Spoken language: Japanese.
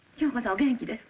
お元気ですか？